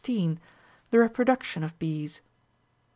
THE REPRODUCTION OF PEES.